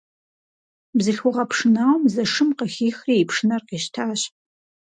Бзылъхугъэ пшынауэм Зэшым къыхихри и пшынэр къищтащ.